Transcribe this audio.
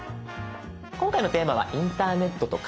今回のテーマは「インターネットとカメラ」です。